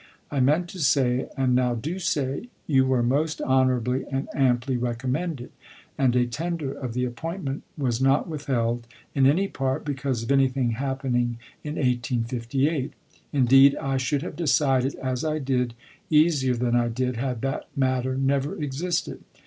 I meant to say, and now do say, you were most honorably and amply recommended ; and a tender of the appointment was not withheld, in any part, because of anything happening in 1858. x Indeed, I should have decided as I did easier than I did, had that matter never existed.